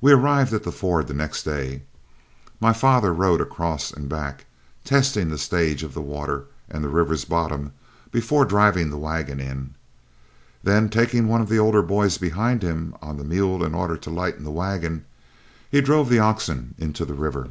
We arrived at the ford the next day. My father rode across and back, testing the stage of the water and the river's bottom before driving the wagon in. Then taking one of the older boys behind him on the mule in order to lighten the wagon, he drove the oxen into the river.